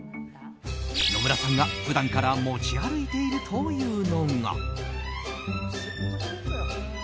野村さんが普段から持ち歩いているというのが。